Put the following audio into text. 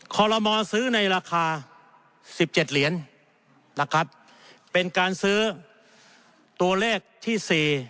คลมอซื้อในราคาสิบเจ็ดเหรียญล่ะครับเป็นการซื้อตัวเลขที่สี่